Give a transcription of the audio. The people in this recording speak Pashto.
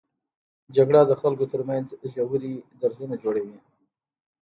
جګړه د خلکو تر منځ ژورې درزونه جوړوي